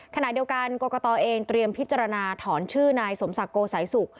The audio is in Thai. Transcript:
ขณะเดียวกันกรกตเองเตรียมพิจารณาถอนชื่อนายสมศักดิ์โกสัยสุข